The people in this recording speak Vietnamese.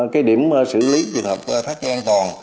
cái điểm xử lý trường hợp tắt ghế an toàn